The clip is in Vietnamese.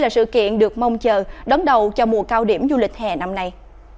là sự kiện được mong chờ đón đầu cho mùa cao điểm du lịch hè năm nay